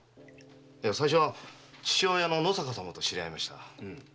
最初は父親の野坂様と知り合いました。